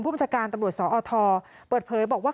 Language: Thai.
ผู้มจัดการตำรวจสออทอบเผยบอกว่า